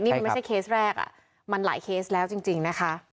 นี่มันไม่ใช่เคสแรกมันหลายเคสแล้วจริงนะคะ